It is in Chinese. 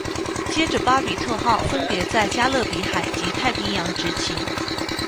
接着巴比特号分别在加勒比海及太平洋执勤。